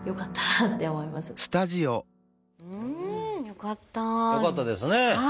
よかったですね。